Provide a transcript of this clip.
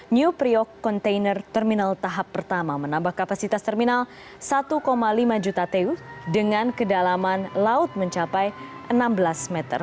new priok container terminal tahap pertama menambah kapasitas terminal satu lima juta teu dengan kedalaman laut mencapai enam belas meter